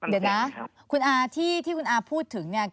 เดี๋ยวนะคุณอาที่คุณอาพูดถึงเนี่ย